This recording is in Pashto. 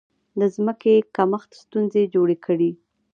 د ځمکې کمښت ستونزې جوړې کړې.